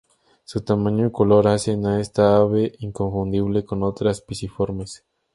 Su tamaño y color hacen a esta ave inconfundible con otras piciformes.